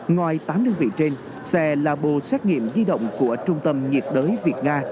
ngoài tám đơn vị trên xe là bộ xét nghiệm di động của trung tâm nhiệt đới việt nga